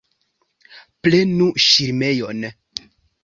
Prenu ŝirmejon!